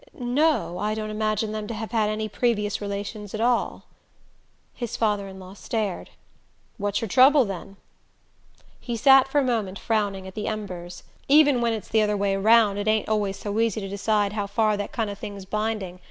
"No I don't imagine them to have had any previous relations at all." His father in law stared. "Where's your trouble, then?" He sat for a moment frowning at the embers. "Even when it's the other way round it ain't always so easy to decide how far that kind of thing's binding...